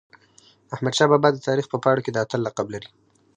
احمدشاه بابا د تاریخ په پاڼو کي د اتل لقب لري.